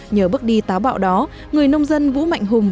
nhờ bước đi táo bạo đó người nông dân vũ mạnh hùng